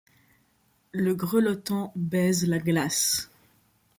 Le grelottant baise la glace